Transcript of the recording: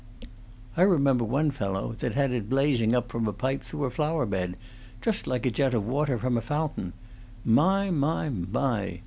I remember one fellow that had it blazing up from a pipe through a flower bed, just like a jet of water from a fountain. My, my, my!